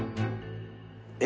「え？」